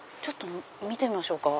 見てみましょうか。